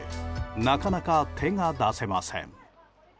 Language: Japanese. なかなか手が出せません。